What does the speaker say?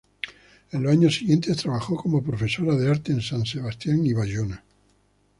En los años siguientes trabajó como profesora de arte en San Sebastián y Bayona.